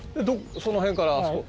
その辺からあそこ？